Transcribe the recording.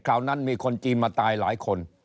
ราวนั้นมีคนจีนมาตายหลายคน